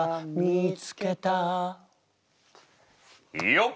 よっ！